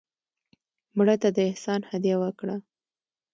مړه ته د احسان هدیه وکړه